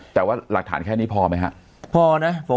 แต่ว่าหลักฐานแค่นี้พอไหมครับพอนะ